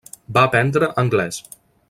Va aprendre anglès.